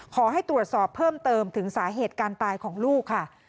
ขอให้ตรวจสอบเพิ่มเติมถึงสาเหตุการตายของลูกค่ะ